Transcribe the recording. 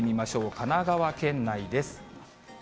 神奈川県内です。